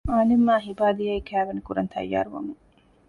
އާލިމްއާއި ހިބާ ދިޔައީ ކައިވެނި ކުރަން ތައްޔާރު ވަމުން